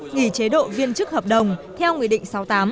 nghỉ chế độ viên chức hợp đồng theo nguyên định sáu mươi tám